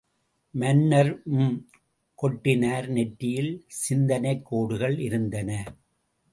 மன்னர் ம்! கொட்டினார்.நெற்றியில் சிந்தனைக் கோடுகள் இருந்தன!